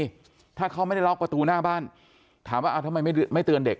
ถ้าเขาไม่ได้ล็อกประตูหน้าบ้านถามว่าทำไมไม่ไม่เตือนเด็ก